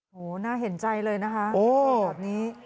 โหน่าเห็นใจเลยนะคะแบบนี้